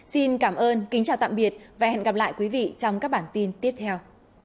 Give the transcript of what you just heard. xin cảm ơn kính chào tạm biệt và hẹn gặp lại quý vị trong các bản tin tiếp theo